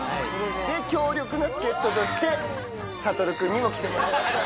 強力な助っ人として、慧君にも来てもらいました。